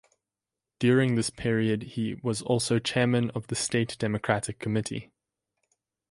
During this period he was also chairman of the state Democratic committee.